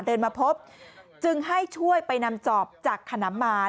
เดินมาพบจึงให้ช่วยไปนำจอบจากขนำมา